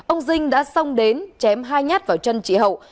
ông dinh đã xông đến chém hai nhát vào chân chị hậu